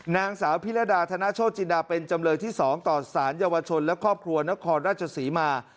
นางสาวพิรดาธนโชจินดาเป็นจำเลยที่๒ต่อสารเยาวชนและครอบครัวนครราชศรีมา